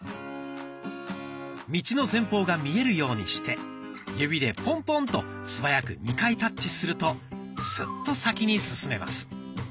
道の前方が見えるようにして指でポンポンと素早く２回タッチするとスッと先に進めます。